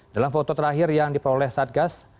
dalam foto terakhir yang diperoleh saat gas